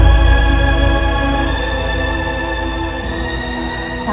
mencintai saya dalam waktu enam bulan